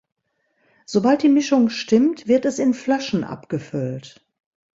Sobald die Mischung stimmt, wird es in Flaschen abgefüllt.